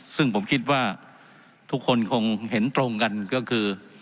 ซึ่งผมคิดว่าทุกคนคงเห็นตรงกันก็คือ